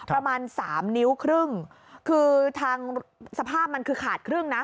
ประมาณสามนิ้วครึ่งคือทางสภาพมันคือขาดครึ่งนะ